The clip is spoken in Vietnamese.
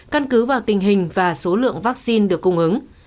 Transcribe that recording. căn cứ vào tình hình và số lượng vaccine được cung ứng